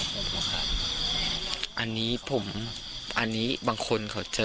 ฐานพระพุทธรูปทองคำ